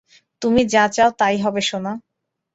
তুমি যা চাও, তাই হবে, সোনা।